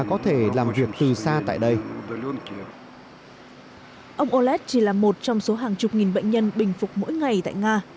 ông olet chỉ là một trong số hàng chục nghìn bệnh nhân bình phục mỗi ngày tại nga